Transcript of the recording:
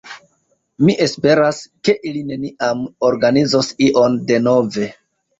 Mi esperas, ke ili neniam organizos ion denove.